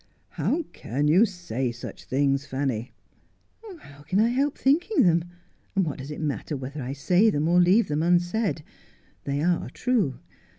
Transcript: ' How can you say such things, Fanny 1 ' 'How can I help thinking them, and what does it matter whether I say them or leave them unsaid 1 They are true.